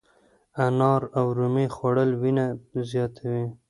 انار او رومي خوړل وینه زیاتوي.